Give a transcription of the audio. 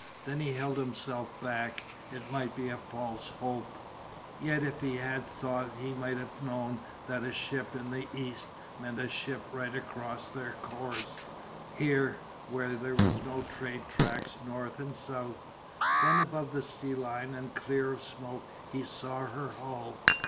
Then he held himself back. It might be a false hope. Yet if he had thought he might have known that a ship in the east meant a ship right across their course, here, where there were no trade tracks north and south. Then above the sea line and clear of smoke he saw her hull.